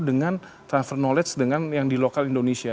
dengan transfer knowledge dengan yang di lokal indonesia